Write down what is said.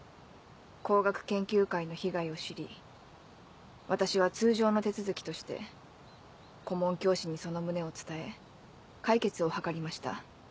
工学研究会の被害を知り私は通常の手続きとして顧問教師にその旨を伝え解決を図りました。